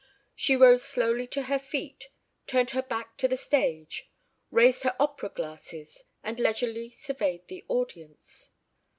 She rose slowly to her feet, turned her back to the stage, raised her opera glasses and leisurely surveyed the audience.